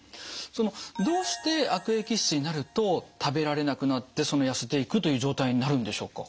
そのどうして悪液質になると食べられなくなってそのやせていくという状態になるんでしょうか？